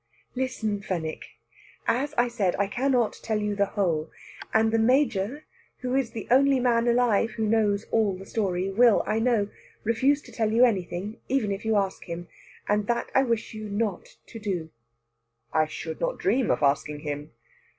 "Listen, Fenwick! As I said, I cannot tell you the whole; and the Major, who is the only man alive who knows all the story, will, I know, refuse to tell you anything, even if you ask him, and that I wish you not to do." "I should not dream of asking him."